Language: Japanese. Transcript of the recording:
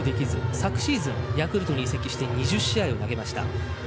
昨シーズンヤクルトに移籍して２０試合、登板しました。